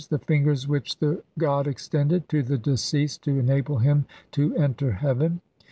The fingers which the god extended to the deceased to enable him to enter heaven.